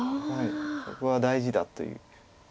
ここは大事だという。